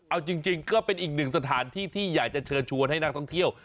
เอาจริงก็เป็นอีกหนึ่งสถานที่ที่อยากจะเชิญชวนให้นักท่องเที่ยว